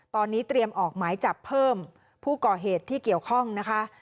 ตอนนี้เตรียมออกหมายจับเพิ่มผู้ก่อเหตุที่เกี่ยวข้องนะคะ